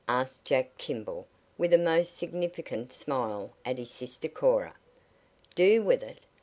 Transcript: asked Jack Kimball, with a most significant smile at his sister Cora. "Do with it?"